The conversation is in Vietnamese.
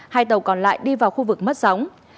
hai tàu còn lại đi vào khu vực mất sóng